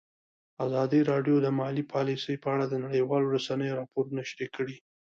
ازادي راډیو د مالي پالیسي په اړه د نړیوالو رسنیو راپورونه شریک کړي.